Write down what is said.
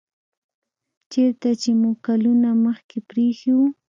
چیرته چې مو کلونه مخکې پریښی و